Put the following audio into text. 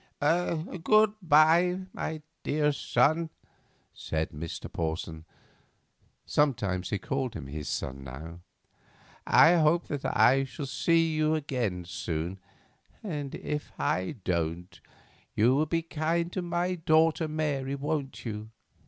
"Good bye, my dear son," said Mr. Porson—sometimes he called him his son, now. "I hope that I shall see you again soon, and if I don't, you will be kind to my daughter Mary, won't you?